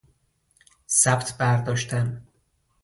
ثبت بر داشتن